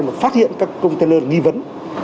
mà phát hiện các container nghi vấn